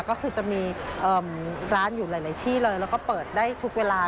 ก็คือจะมีร้านอยู่หลายที่เลยแล้วก็เปิดได้ทุกเวลา